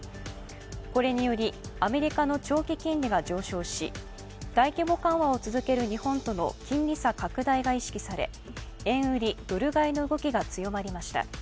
これによりアメリカの長期金利が上昇し、大規模緩和を続ける日本との金利差拡大が意識され、円売り・ドル買いの動きが強まりました。